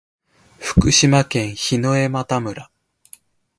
福島県檜枝岐村